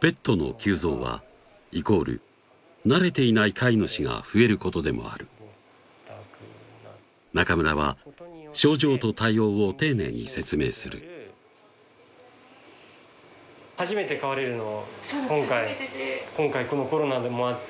ペットの急増はイコール慣れていない飼い主が増えることでもある中村は症状と対応を丁寧に説明するそうなんです